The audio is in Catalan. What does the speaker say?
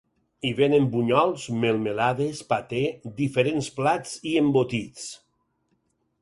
Hi venien bunyols, melmelades, paté, diferents plats i embotits.